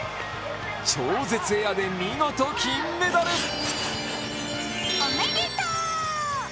超絶エアで見事、金メダル。